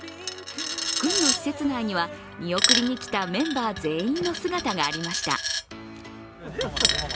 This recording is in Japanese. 軍の施設内には見送りに来たメンバー全員の姿がありました。